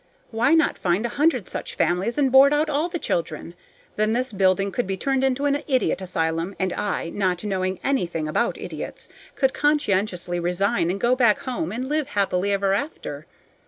Why not find a hundred such families, and board out all the children? Then this building could be turned into an idiot asylum, and I, not knowing anything about idiots, could conscientiously resign and go back home and live happily ever after.